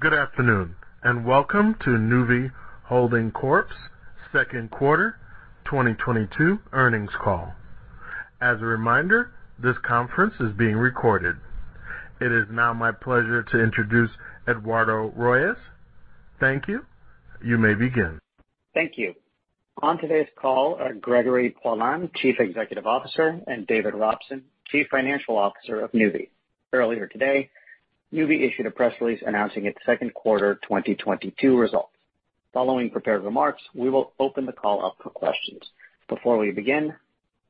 Good afternoon, and welcome to Nuvve Holding Corp.'s second quarter 2022 earnings call. As a reminder, this conference is being recorded. It is now my pleasure to introduce Eduardo Royes. Thank you. You may begin. Thank you. On today's call are Gregory Poilasne, Chief Executive Officer, and David Robson, Chief Financial Officer of Nuvve. Earlier today, Nuvve issued a press release announcing its second quarter 2022 results. Following prepared remarks, we will open the call up for questions. Before we begin,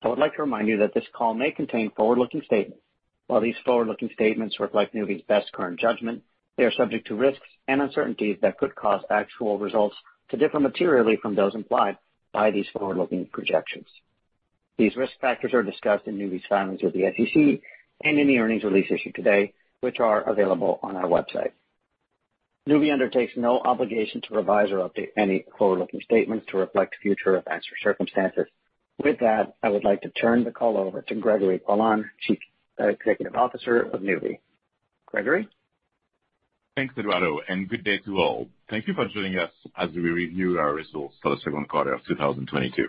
I would like to remind you that this call may contain forward-looking statements. While these forward-looking statements reflect Nuvve's best current judgment, they are subject to risks and uncertainties that could cause actual results to differ materially from those implied by these forward-looking projections. These risk factors are discussed in Nuvve's filings with the SEC and in the earnings release issued today, which are available on our website. Nuvve undertakes no obligation to revise or update any forward-looking statements to reflect future events or circumstances. With that, I would like to turn the call over to Gregory Poilasne, Chief Executive Officer of Nuvve. Gregory? Thanks, Eduardo, and good day to all. Thank you for joining us as we review our results for the second quarter of 2022.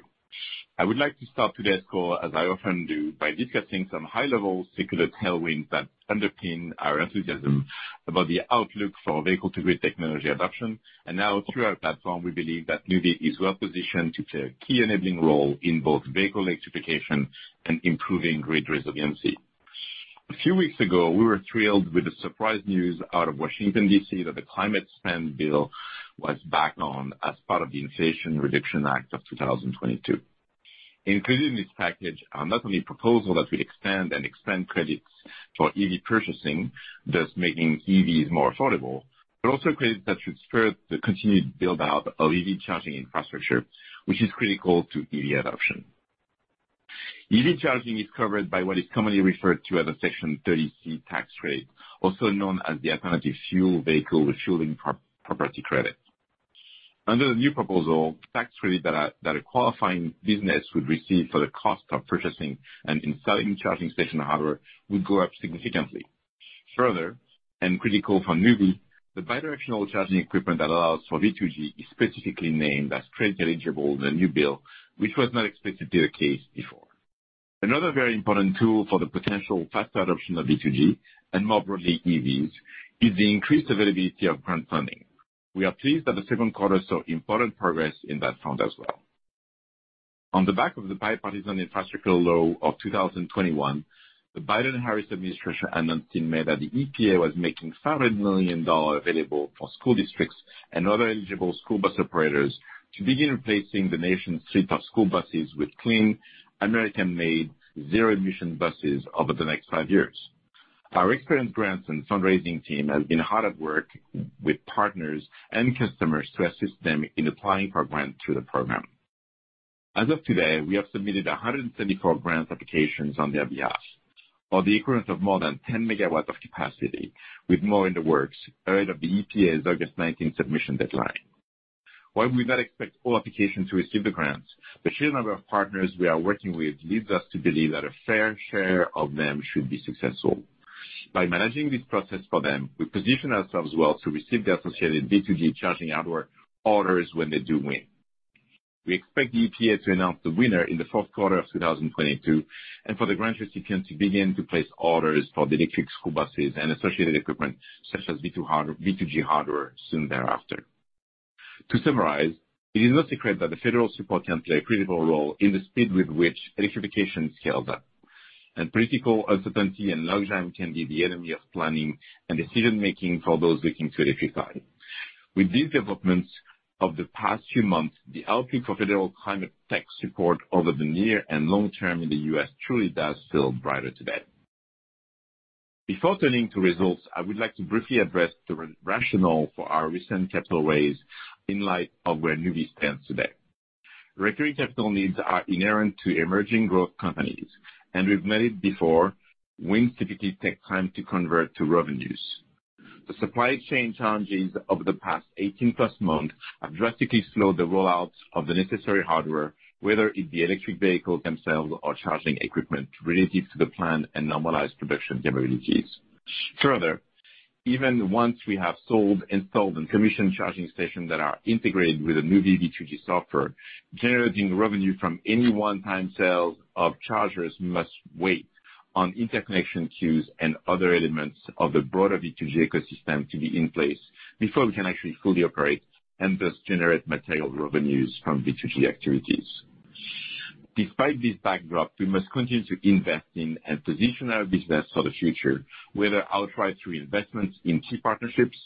I would like to start today's call, as I often do, by discussing some high-level secular tailwinds that underpin our enthusiasm about the outlook for vehicle-to-grid technology adoption. Now through our platform, we believe that Nuvve is well-positioned to play a key enabling role in both vehicle electrification and improving grid resiliency. A few weeks ago, we were thrilled with the surprise news out of Washington, D.C., that the climate spending bill was back on as part of the Inflation Reduction Act of 2022, including this package, not only proposal that will expand credits for EV purchasing, thus making EVs more affordable, but also credits that should spur the continued build-out of EV charging infrastructure, which is critical to EV adoption. EV charging is covered by what is commonly referred to as a Section 30C tax credit, also known as the Alternative Fuel Vehicle Refueling Property Credit. Under the new proposal, tax credit that a qualifying business would receive for the cost of purchasing and installing charging station hardware would go up significantly. Further, and critical for Nuvve, the bidirectional charging equipment that allows for V2G is specifically named as credit eligible in the new bill, which was not expected to be the case before. Another very important tool for the potential faster adoption of V2G, and more broadly, EVs, is the increased availability of grant funding. We are pleased that the second quarter saw important progress in that front as well. On the back of the Bipartisan Infrastructure Law of 2021, the Biden-Harris administration announced in May that the EPA was making $500 million available for school districts and other eligible school bus operators to begin replacing the nation's fleet of school buses with clean American-made zero-emission buses over the next 5 years. Our experienced grants and fundraising team has been hard at work with partners and customers to assist them in applying for grants through the program. As of today, we have submitted 174 grant applications on their behalf for the equivalent of more than 10 MW of capacity, with more in the works ahead of the EPA's August 19 submission deadline. While we do not expect all applications to receive the grants, the sheer number of partners we are working with leads us to believe that a fair share of them should be successful. By managing this process for them, we position ourselves well to receive the associated V2G charging hardware orders when they do win. We expect the EPA to announce the winner in the fourth quarter of 2022, and for the grant recipient to begin to place orders for the electric school buses and associated equipment, such as V2G hardware soon thereafter. To summarize, it is no secret that the federal support can play a critical role in the speed with which electrification scales up. Political uncertainty and logjam can be the enemy of planning and decision-making for those looking to electrify. With these developments of the past few months, the outlook for federal climate tech support over the near and long term in the U.S. truly does feel brighter today. Before turning to results, I would like to briefly address the rationale for our recent capital raise in light of where Nuvve stands today. Recurring capital needs are inherent to emerging growth companies, and we've made it before, wins typically take time to convert to revenues. The supply chain challenges over the past 18+ months have drastically slowed the roll-out of the necessary hardware, whether it be electric vehicles themselves or charging equipment, relative to the planned and normalized production capabilities. Further, even once we have sold, installed, and commissioned charging stations that are integrated with the Nuvve V2G software, generating revenue from any one-time sales of chargers must wait on interconnection queues and other elements of the broader V2G ecosystem to be in place before we can actually fully operate and thus generate material revenues from V2G activities. Despite this backdrop, we must continue to invest in and position our business for the future, whether outright through investments in key partnerships,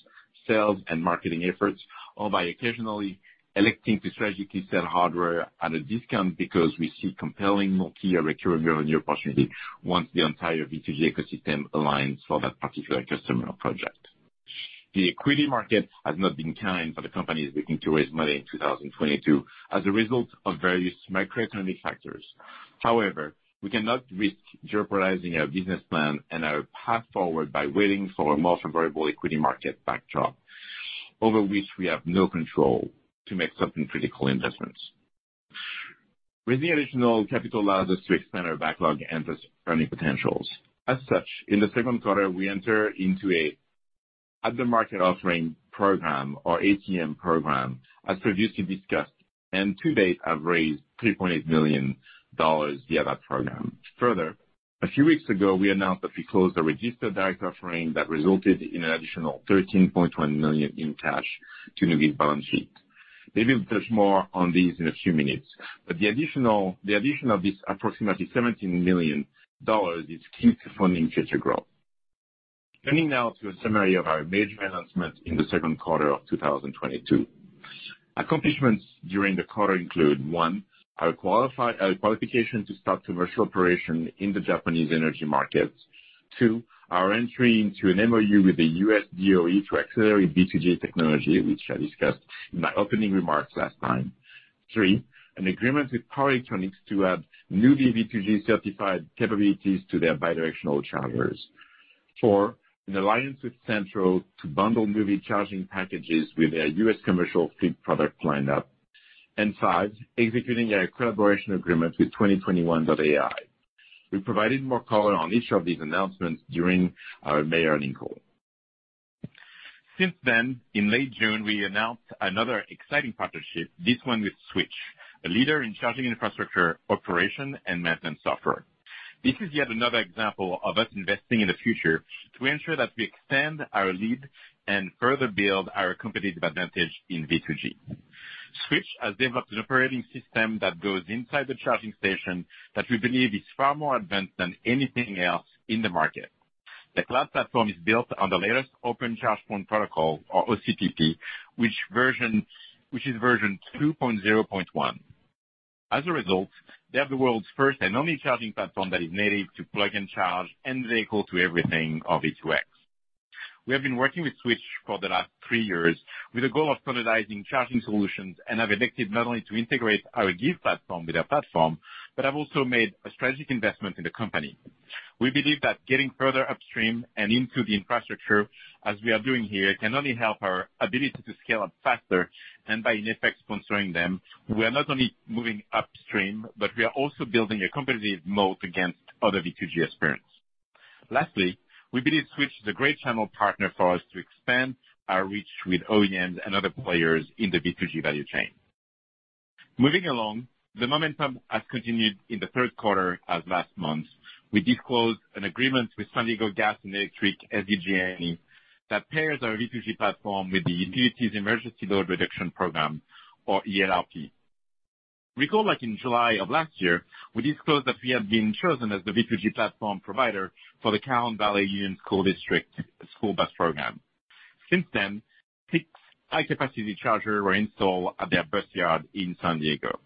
sales and marketing efforts, or by occasionally electing to strategically sell hardware at a discount because we see compelling, more key or recurring revenue opportunity once the entire V2G ecosystem aligns for that particular customer or project. The equity market has not been kind for the companies looking to raise money in 2022 as a result of various macroeconomic factors. However, we cannot risk jeopardizing our business plan and our path forward by waiting for a more favorable equity market backdrop, over which we have no control, to make certain critical investments. Raising additional capital allows us to expand our backlog and thus earning potentials. As such, in the second quarter, we entered into an at-the-market offering program or ATM program, as previously discussed, and to date have raised $3.8 million via that program. Further, a few weeks ago, we announced that we closed a registered direct offering that resulted in an additional $13.1 million in cash to Nuvve's balance sheet. David will touch more on these in a few minutes. The addition of this approximately $17 million is key to funding future growth. Turning now to a summary of our major announcements in the second quarter of 2022. Accomplishments during the quarter include, one, our qualification to start commercial operation in the Japanese energy market. Two, our entry into an MOU with the U.S. DOE to accelerate V2G technology, which I discussed in my opening remarks last time. Three, an agreement with Power Electronics to add Nuvve V2G-certified capabilities to their bidirectional chargers. Four, an alliance with Cenntro to bundle Nuvve charging packages with their U.S. commercial fleet product line up. Five, executing a collaboration agreement with 2021.AI. We provided more color on each of these announcements during our May earnings call. Since then, in late June, we announced another exciting partnership, this one with Switch, a leader in charging infrastructure operation and management software. This is yet another example of us investing in the future to ensure that we extend our lead and further build our competitive advantage in V2G. Switch has developed an operating system that goes inside the charging station that we believe is far more advanced than anything else in the market. The cloud platform is built on the latest Open Charge Point Protocol or OCPP, which is version 2.0.1. As a result, they have the world's first and only charging platform that is native to Plug and Charge any vehicle to V2X. We have been working with Switch for the last 3 years with a goal of standardizing charging solutions and have elected not only to integrate our GIVe platform with their platform, but have also made a strategic investment in the company. We believe that getting further upstream and into the infrastructure, as we are doing here, can only help our ability to scale up faster, and, in effect, sponsoring them, we are not only moving upstream, but we are also building a competitive moat against other V2G aspirants. Lastly, we believe Switch is a great channel partner for us to expand our reach with OEMs and other players in the V2G value chain. Moving along, the momentum has continued in the third quarter as last month. We disclosed an agreement with San Diego Gas & Electric, SDG&E, that pairs our V2G platform with the utilities emergency load reduction program or ELRP. Recall back in July of last year, we disclosed that we have been chosen as the V2G platform provider for the Cajon Valley Union School District school bus program. Since then, six high-capacity chargers were installed at their bus yard in San Diego.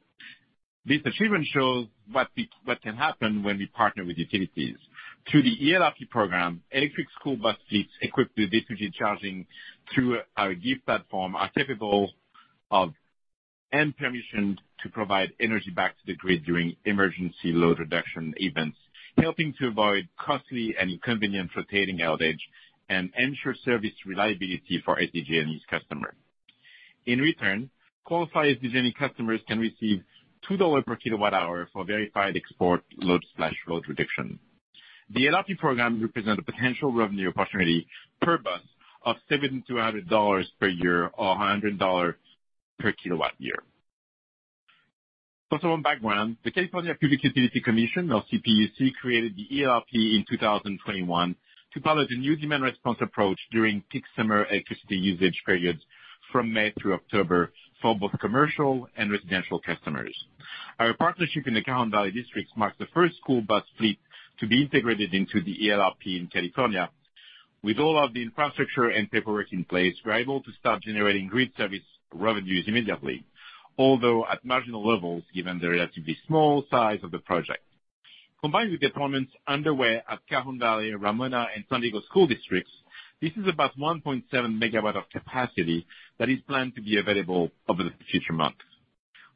This achievement shows what can happen when we partner with utilities. Through the ELRP program, electric school bus fleets equipped with V2G charging through our GIVe platform are capable of, and permissioned, to provide energy back to the grid during emergency load reduction events, helping to avoid costly and inconvenient rotating outage and ensure service reliability for SDG&E's customer. In return, qualified SDG&E customers can receive $2 per kWh for verified export load/load reduction. The ELRP program represent a potential revenue opportunity per bus of $720 per year or $100 per kW-year. For some background, the California Public Utilities Commission, or CPUC, created the ELRP in 2021 to pilot a new demand response approach during peak summer electricity usage periods from May through October for both commercial and residential customers. Our partnership in the Cajon Valley District marks the first school bus fleet to be integrated into the ELRP in California. With all of the infrastructure and paperwork in place, we're able to start generating grid service revenues immediately, although at marginal levels, given the relatively small size of the project. Combined with deployments underway at Cajon Valley, Ramona, and San Diego school districts, this is about 1.7 MW of capacity that is planned to be available over the future months.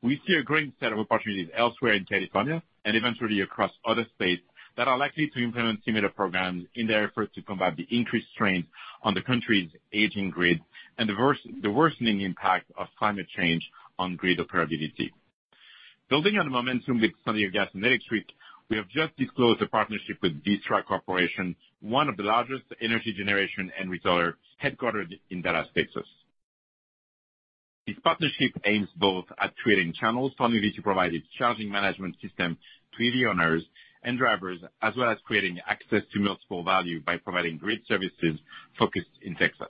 We see a growing set of opportunities elsewhere in California and eventually across other states that are likely to implement similar programs in their effort to combat the increased strains on the country's aging grid and the worsening impact of climate change on grid operability. Building on the momentum with San Diego Gas & Electric, we have just disclosed a partnership with Vistra Corp., one of the largest energy generation and retailer headquartered in Dallas, Texas. This partnership aims both at creating channels for Nuvve to provide its charging management system to EV owners and drivers, as well as creating access to multiple value by providing grid services focused in Texas.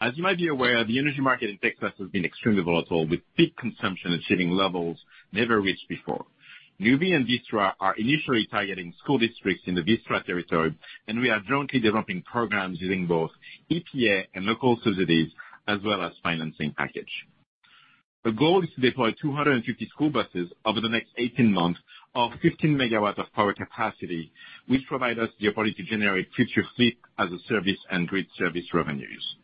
As you might be aware, the energy market in Texas has been extremely volatile, with peak consumption achieving levels never reached before. Nuvve and Vistra are initially targeting school districts in the Vistra territory, and we are jointly developing programs using both EPA and local subsidies, as well as financing package. The goal is to deploy 250 school buses over the next 18 months of 15 MW of power capacity, which provide us the ability to generate future fleet-as-a-service and grid service revenues.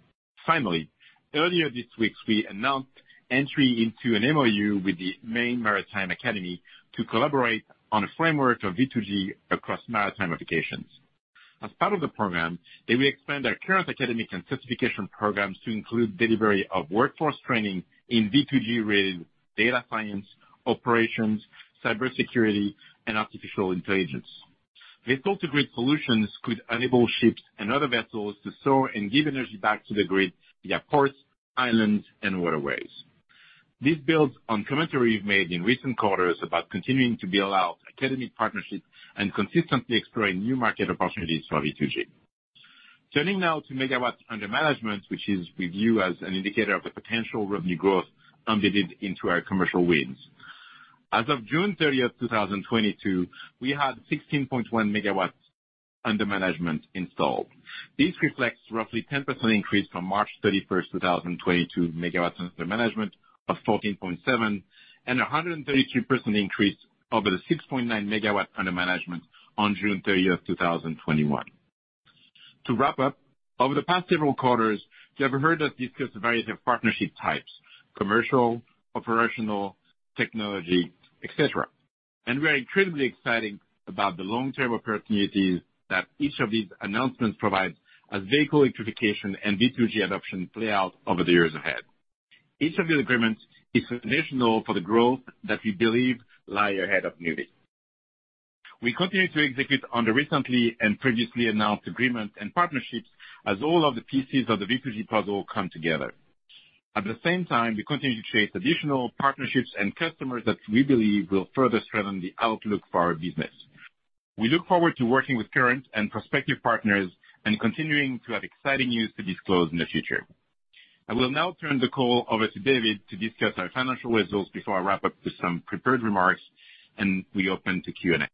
Finally, earlier this week, we announced entry into an MOU with the Maine Maritime Academy to collaborate on a framework of V2G across maritime applications. As part of the program, they will expand their current academic and certification programs to include delivery of workforce training in V2G-related data science, operations, cybersecurity, and artificial intelligence. These total grid solutions could enable ships and other vessels to store and give energy back to the grid via ports, islands, and waterways. This builds on commentary we've made in recent quarters about continuing to build out academic partnerships and consistently exploring new market opportunities for V2G. Turning now to megawatts under management, which we view as an indicator of the potential revenue growth embedded into our commercial wins. As of June 30th, 2022, we had 16.1 MW under management installed. This reflects roughly 10% increase from March 31st, 2022 megawatts under management of 14.7, and 132% increase over the 6.9 MW under management on June 30th, 2021. To wrap up, over the past several quarters, you have heard us discuss various partnership types, commercial, operational, technology, et cetera. We are incredibly excited about the long-term opportunities that each of these announcements provides as vehicle electrification and V2G adoption play out over the years ahead. Each of these agreements is foundational for the growth that we believe lie ahead of Nuvve. We continue to execute on the recently and previously announced agreements and partnerships as all of the pieces of the V2G puzzle come together. At the same time, we continue to chase additional partnerships and customers that we believe will further strengthen the outlook for our business. We look forward to working with current and prospective partners and continuing to have exciting news to disclose in the future. I will now turn the call over to David to discuss our financial results before I wrap up with some prepared remarks, and we open to Q&A.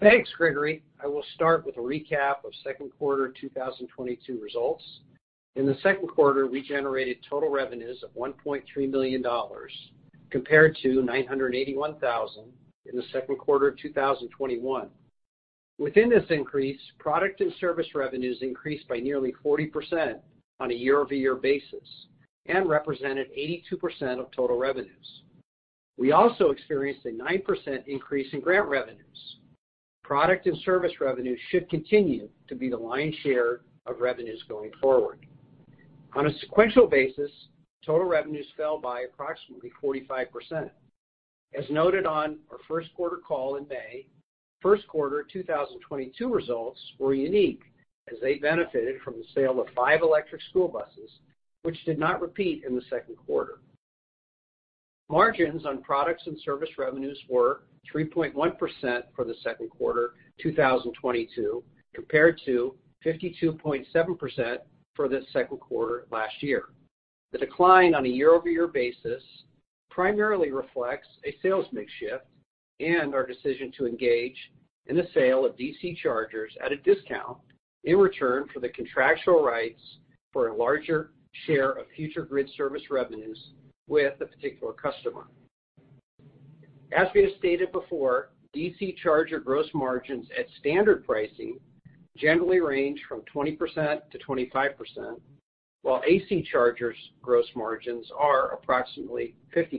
Thanks, Gregory. I will start with a recap of second quarter 2022 results. In the second quarter, we generated total revenues of $1.3 million compared to $981,000 in the second quarter of 2021. Within this increase, product and service revenues increased by nearly 40% on a year-over-year basis and represented 82% of total revenues. We also experienced a 9% increase in grant revenues. Product and service revenues should continue to be the lion's share of revenues going forward. On a sequential basis, total revenues fell by approximately 45%. As noted on our first quarter call in May, first quarter 2022 results were unique as they benefited from the sale of five electric school buses, which did not repeat in the second quarter. Margins on products and service revenues were 3.1% for the second quarter 2022, compared to 52.7% for the second quarter last year. The decline on a year-over-year basis primarily reflects a sales mix shift and our decision to engage in the sale of DC chargers at a discount in return for the contractual rights for a larger share of future grid service revenues with a particular customer. As we have stated before, DC charger gross margins at standard pricing generally range from 20%-25%, while AC chargers gross margins are approximately 50%.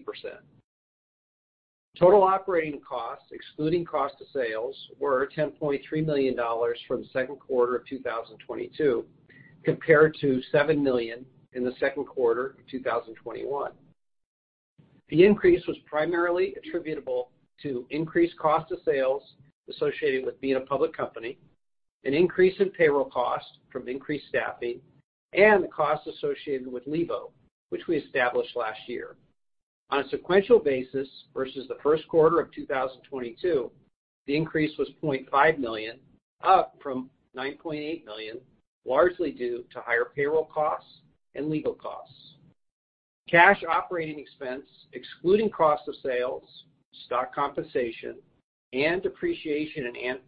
Total operating costs, excluding cost of sales, were $10.3 million for the second quarter of 2022, compared to $7 million in the second quarter of 2021. The increase was primarily attributable to increased cost of sales associated with being a public company, an increase in payroll costs from increased staffing, and the cost associated with Levo, which we established last year. On a sequential basis versus the first quarter of 2022, the increase was $0.5 million, up from $9.8 million, largely due to higher payroll costs and legal costs. Cash operating expense, excluding cost of sales, stock compensation, and depreciation and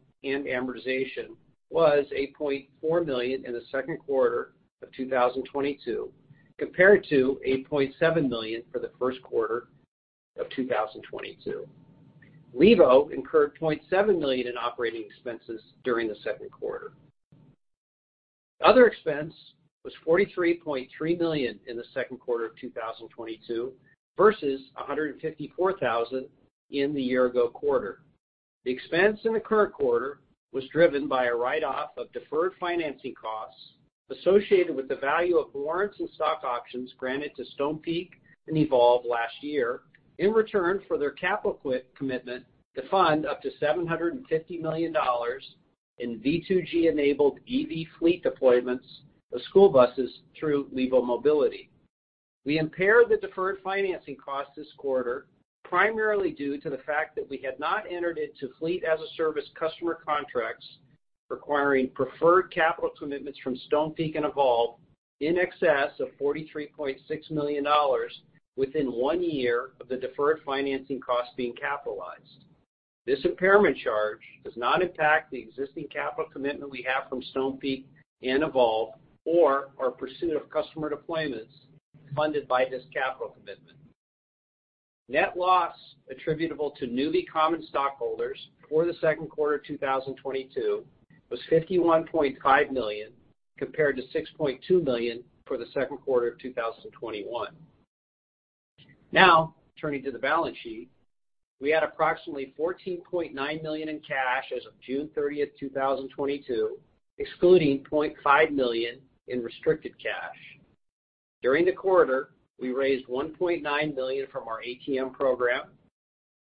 amortization, was $8.4 million in the second quarter of 2022, compared to $8.7 million for the first quarter of 2022. Levo incurred $0.7 million in operating expenses during the second quarter. Other expense was $43.3 million in the second quarter of 2022 versus $154,000 in the year ago quarter. The expense in the current quarter was driven by a write-off of deferred financing costs associated with the value of warrants and stock options granted to Stonepeak and Evolve last year in return for their capital commitment to fund up to $750 million in V2G-enabled EV fleet deployments of school buses through Levo Mobility. We impaired the deferred financing cost this quarter primarily due to the fact that we had not entered into fleet-as-a-service customer contracts requiring preferred capital commitments from Stonepeak and Evolve in excess of $43.6 million within 1 year of the deferred financing cost being capitalized. This impairment charge does not impact the existing capital commitment we have from Stonepeak and Evolve, or our pursuit of customer deployments funded by this capital commitment. Net loss attributable to Nuvve common stockholders for the second quarter of 2022 was $51.5 million, compared to $6.2 million for the second quarter of 2021. Now turning to the balance sheet. We had approximately $14.9 million in cash as of June 30th, 2022, excluding $0.5 million in restricted cash. During the quarter, we raised $1.9 million from our ATM program.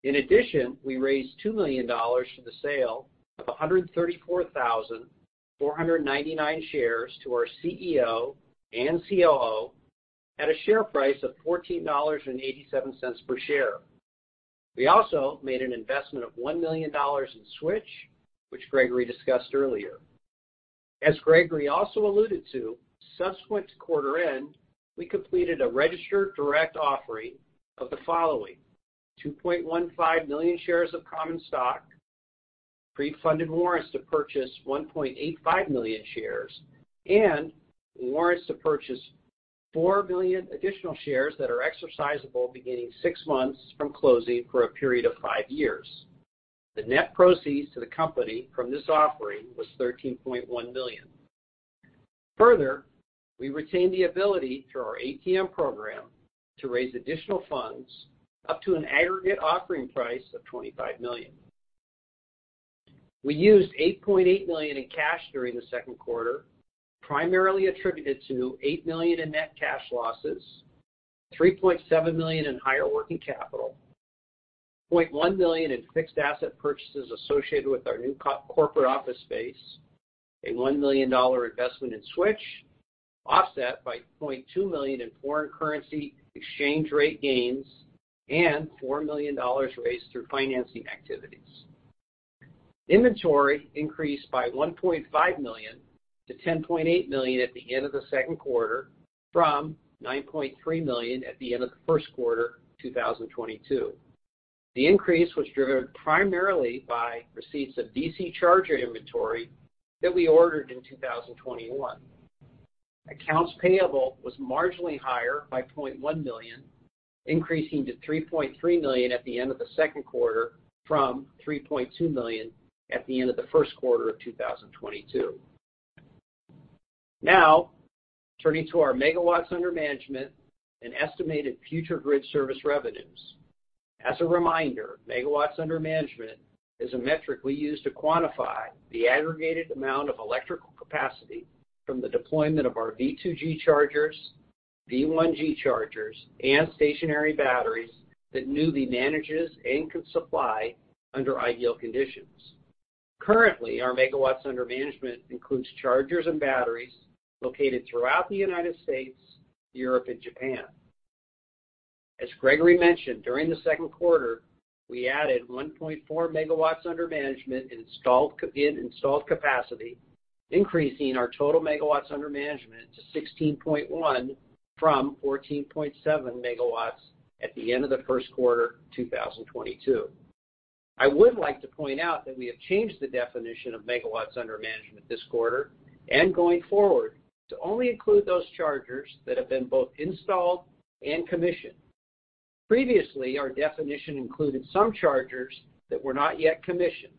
In addition, we raised $2 million to the sale of 134,499 shares to our CEO and COO at a share price of $14.87 per share. We also made an investment of $1 million in Switch, which Gregory discussed earlier. As Gregory also alluded to, subsequent to quarter end, we completed a registered direct offering of the following 2.15 million shares of common stock, pre-funded warrants to purchase 1.85 million shares, and warrants to purchase 4 million additional shares that are exercisable beginning 6 months from closing for a period of 5 years. The net proceeds to the company from this offering was $13.1 million. Further, we retained the ability through our ATM program to raise additional funds up to an aggregate offering price of $25 million. We used $8.8 million in cash during the second quarter, primarily attributed to $8 million in net cash losses, $3.7 million in higher working capital, $0.1 million in fixed asset purchases associated with our new corporate office space, a $1 million investment in Switch, offset by $0.2 million in foreign currency exchange rate gains, and $4 million raised through financing activities. Inventory increased by $1.5 million to $10.8 million at the end of the second quarter, from $9.3 million at the end of the first quarter 2022. The increase was driven primarily by receipts of DC charger inventory that we ordered in 2021. Accounts payable was marginally higher by $0.1 million, increasing to $3.3 million at the end of the second quarter from $3.2 million at the end of the first quarter of 2022. Now, turning to our megawatts under management and estimated future grid service revenues. As a reminder, megawatts under management is a metric we use to quantify the aggregated amount of electrical capacity from the deployment of our V2G chargers, V1G chargers, and stationary batteries that Nuvve manages and could supply under ideal conditions. Currently, our megawatts under management includes chargers and batteries located throughout the United States, Europe, and Japan. As Gregory mentioned, during the second quarter, we added 1.4 MW under management in installed capacity, increasing our total megawatts under management to 16.1 from 14.7 MW at the end of the first quarter 2022. I would like to point out that we have changed the definition of megawatts under management this quarter and going forward to only include those chargers that have been both installed and commissioned. Previously, our definition included some chargers that were not yet commissioned.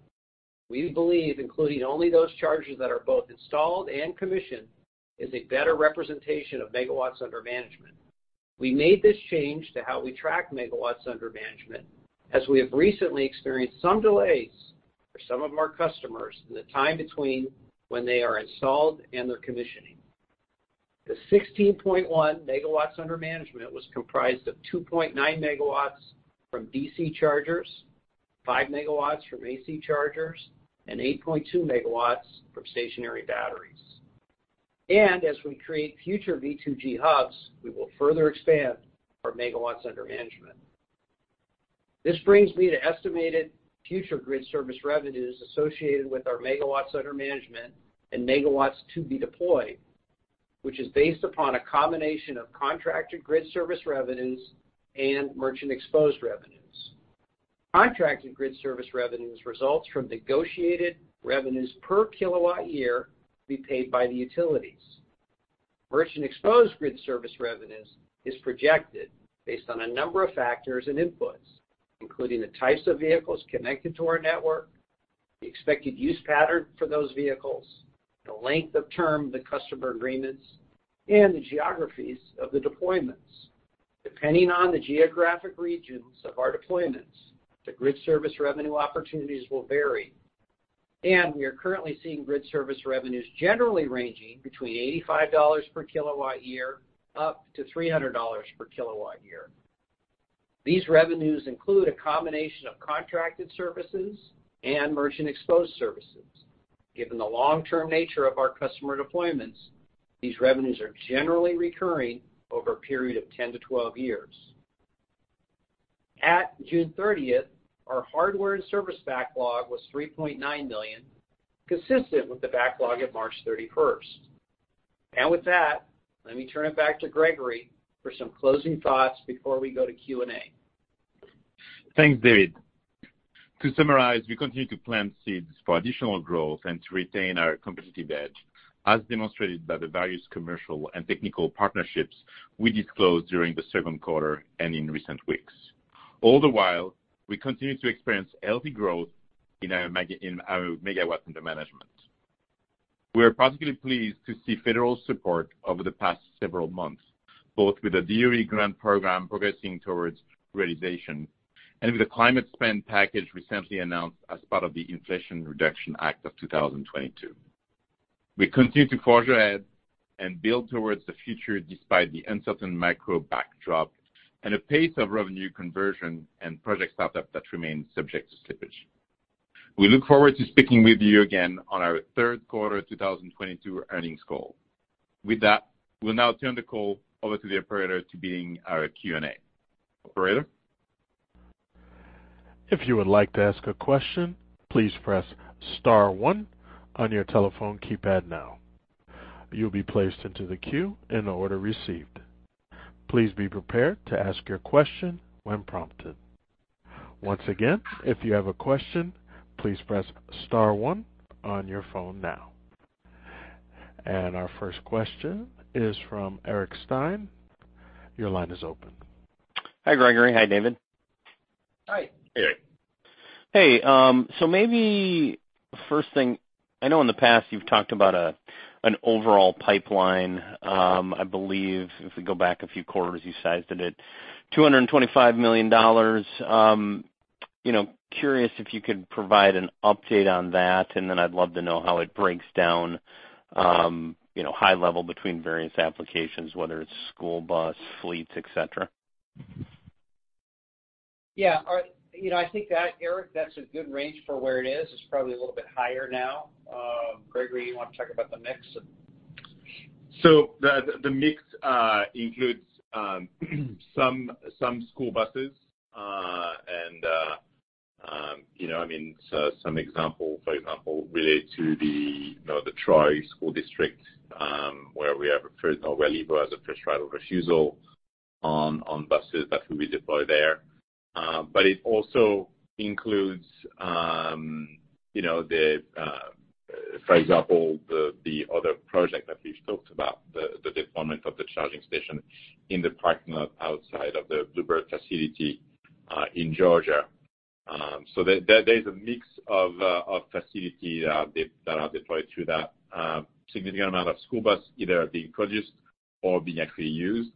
We believe including only those chargers that are both installed and commissioned is a better representation of megawatts under management. We made this change to how we track megawatts under management, as we have recently experienced some delays for some of our customers in the time between when they are installed and their commissioning. The 16.1 MW under management was comprised of 2.9 MW from DC chargers, 5 MW from AC chargers, and 8.2 MW from stationary batteries. As we create future V2G hubs, we will further expand our megawatts under management. This brings me to estimated future grid service revenues associated with our megawatts under management and megawatts to be deployed, which is based upon a combination of contracted grid service revenues and merchant exposed revenues. Contracted grid service revenues results from negotiated revenues per kilowatt-year to be paid by the utilities. Merchant exposed grid service revenues is projected based on a number of factors and inputs, including the types of vehicles connected to our network, the expected use pattern for those vehicles, the length of term the customer agreements, and the geographies of the deployments. Depending on the geographic regions of our deployments, the grid service revenue opportunities will vary. We are currently seeing grid service revenues generally ranging between $85-$300 per kW-year. These revenues include a combination of contracted services and merchant exposed services. Given the long-term nature of our customer deployments, these revenues are generally recurring over a period of 10-12 years. At June 30th, our hardware and service backlog was $3.9 million, consistent with the backlog at March 31st. With that, let me turn it back to Gregory for some closing thoughts before we go to Q&A. Thanks, David. To summarize, we continue to plant seeds for additional growth and to retain our competitive edge, as demonstrated by the various commercial and technical partnerships we disclosed during the second quarter and in recent weeks. All the while, we continue to experience healthy growth in our megawatts under management. We are particularly pleased to see federal support over the past several months, both with the DOE grant program progressing towards realization and with the climate spend package recently announced as part of the Inflation Reduction Act of 2022. We continue to forge ahead and build towards the future despite the uncertain macro backdrop and a pace of revenue conversion and project startup that remains subject to slippage. We look forward to speaking with you again on our third quarter 2022 earnings call. With that, we'll now turn the call over to the operator to begin our Q&A. Operator? If you would like to ask a question, please press star one on your telephone keypad now. You'll be placed into the queue in the order received. Please be prepared to ask your question when prompted. Once again, if you have a question, please press star one on your phone now. Our first question is from Eric Stine. Your line is open. Hi, Gregory. Hi, David. Hi. Hey. Hey, maybe first thing, I know in the past you've talked about a, an overall pipeline. I believe if we go back a few quarters, you sized it at $225 million. You know, curious if you could provide an update on that, and then I'd love to know how it breaks down, you know, high level between various applications, whether it's school bus, fleets, et cetera. Yeah. You know, I think that, Eric, that's a good range for where it is. It's probably a little bit higher now. Gregory, you wanna talk about the mix of. The mix includes some school buses, you know, I mean, some example, for example, relate to the Troy School District, where Levo has a first right of refusal on buses that will be deployed there. It also includes, you know, for example, the other project that we've talked about, the deployment of the charging station in the parking lot outside of the Blue Bird facility in Georgia. There's a mix of facilities that are deployed through that. Significant amount of school buses either are being produced or being actually used,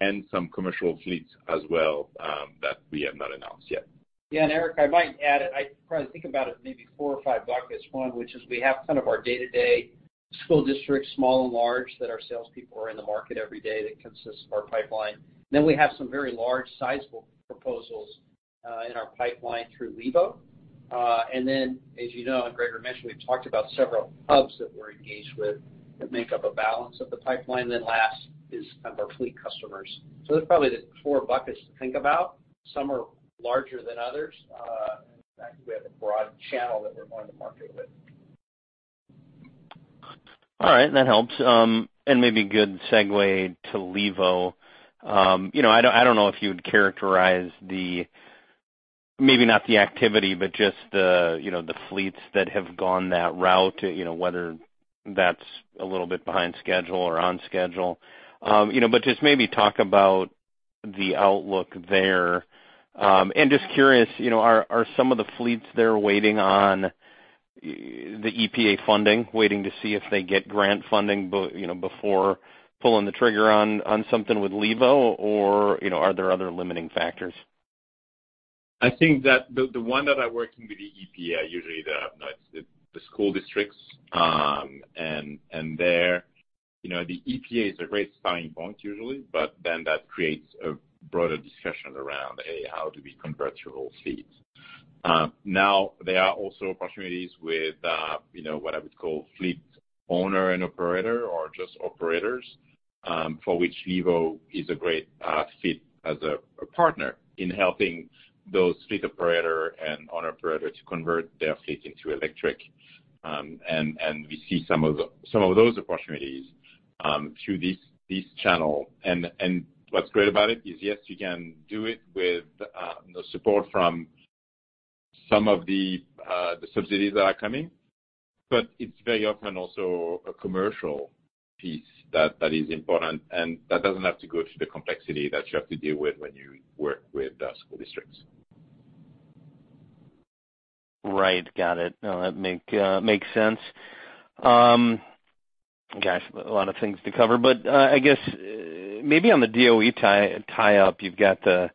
and some commercial fleets as well that we have not announced yet. Yeah. Eric, I might add, I probably think about it maybe four or five buckets. One, which is we have kind of our day-to-day school districts, small and large, that our salespeople are in the market every day that consists of our pipeline. We have some very large sizable proposals in our pipeline through Levo. As you know, and Gregory mentioned, we've talked about several hubs that we're engaged with that make up a balance of the pipeline. Last is kind of our fleet customers. There's probably the four buckets to think about. Some are larger than others. In fact, we have a broad channel that we're going to market with. All right. That helps. Maybe good segue to Levo. You know, I don't know if you would characterize maybe not the activity, but just the, you know, the fleets that have gone that route, you know, whether that's a little bit behind schedule or on schedule. You know, just maybe talk about the outlook there. Just curious, you know, are some of the fleets there waiting on the EPA funding, waiting to see if they get grant funding you know, before pulling the trigger on something with Levo? You know, are there other limiting factors? I think that the one that are working with the EPA usually they have the school districts, and they're, you know, the EPA is a great starting point usually, but then that creates a broader discussion around A how do we convert your whole fleet. Now there are also opportunities with you know what I would call fleet owner and operator or just operators for which Levo is a great fit as a partner in helping those fleet operator and owner operator to convert their fleet into electric. And we see some of those opportunities through this channel. What's great about it is, yes, you can do it with the support from some of the subsidies that are coming, but it's very often also a commercial piece that is important, and that doesn't have to go through the complexity that you have to deal with when you work with the school districts. Right. Got it. No, that makes sense. Gosh, a lot of things to cover, but I guess maybe on the DOE tie-up, you've got the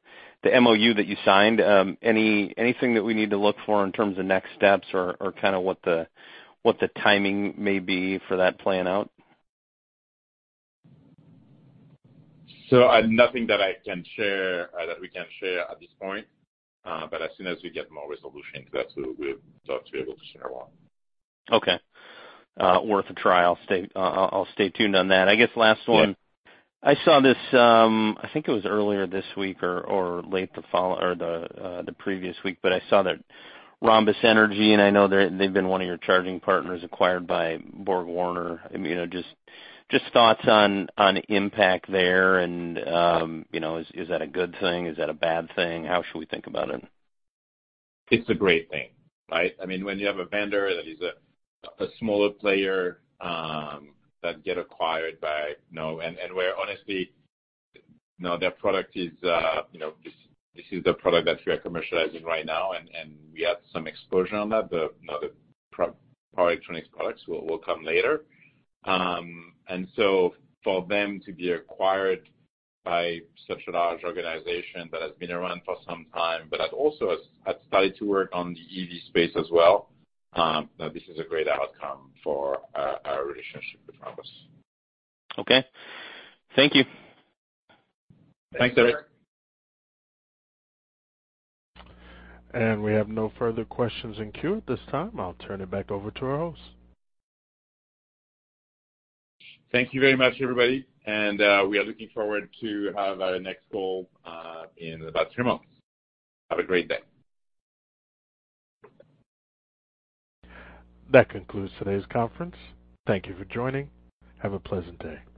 MOU that you signed. Anything that we need to look for in terms of next steps or kinda what the timing may be for that playing out? Nothing that I can share that we can share at this point. As soon as we get more resolution to that, we'll start to be able to share more. Okay. Worth a try. I'll stay tuned on that. I guess last one. Yeah. I saw this, I think it was earlier this week or the previous week, but I saw that Rhombus Energy, and I know they've been one of your charging partners acquired by BorgWarner. You know, just thoughts on impact there. You know, is that a good thing? Is that a bad thing? How should we think about it? It's a great thing, right? I mean, when you have a vendor that is a smaller player that gets acquired by, you know. Where honestly, you know, their product is, you know, this is the product that we are commercializing right now, and we have some exposure on that. The, you know, the Power Electronics products will come later. For them to be acquired by such a large organization that has been around for some time, but has also started to work on the EV space as well, this is a great outcome for our relationship with Rhombus. Okay. Thank you. Thanks, Eric. We have no further questions in queue at this time. I'll turn it back over to our host. Thank you very much, everybody. We are looking forward to have our next call in about 3 months. Have a great day. That concludes today's conference. Thank you for joining. Have a pleasant day.